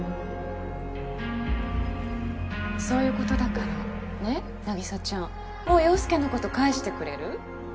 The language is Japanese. そういうことだからね凪沙ちゃんもう陽佑のこと返してくれる？